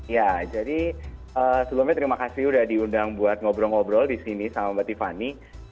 ya jadi sebelumnya terima kasih sudah diundang buat ngobrol ngobrol di sini sama mbak tiffany